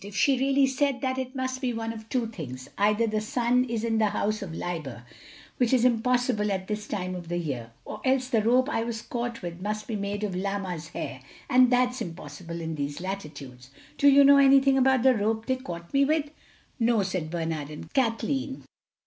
"If she really said that it must be one of two things—either the sun is in the House of Liber—which is impossible at this time of the year—or else the rope I was caught with must be made of llama's hair, and that's impossible in these latitudes. Do you know anything about the rope they caught me with?" "No," said Bernard and Kathleen.